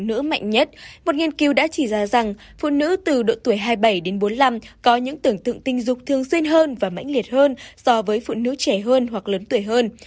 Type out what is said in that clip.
phụ nữ mạnh nhất một nghiên cứu đã chỉ ra rằng phụ nữ từ độ tuổi hai mươi bảy đến bốn mươi năm có những tưởng tượng tình dục thường xuyên hơn và mãnh liệt hơn so với phụ nữ trẻ hơn hoặc lớn tuổi hơn